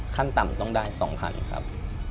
ขั้นต่ำต้องได้๒๐๐๐ครับ